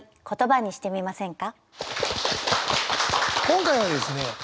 今回はですね